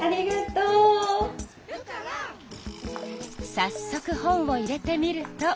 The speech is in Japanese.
さっそく本を入れてみると。